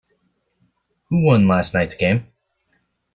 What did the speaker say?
Who won last night's game?